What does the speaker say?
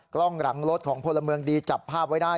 กล้องหลังรถของพลเมืองดีจับภาพไว้ได้